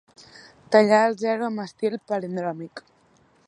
Tallar al zero amb estil palindròmic.